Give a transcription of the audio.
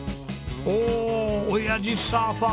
おおおやじサーファー！